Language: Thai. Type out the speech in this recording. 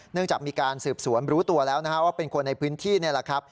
เนื่องจากมีการสืบสวนรู้ตัวแล้วว่าเป็นคนในพื้นที่นี่